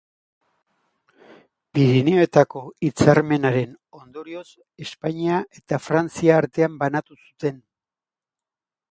Pirinioetako Hitzarmenaren ondorioz Espainia eta Frantzia artean banatu zuten.